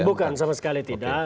bukan sama sekali tidak